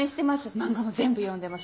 漫画も全部読んでます。